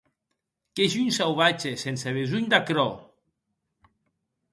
Qu'es un sauvatge sense besonh d'aquerò.